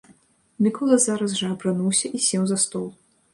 Мікола зараз жа апрануўся і сеў за стол.